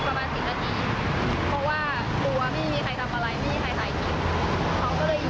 ประมาณสิบนาทีเพราะว่ารู้ว่าไม่มีใครทำอะไร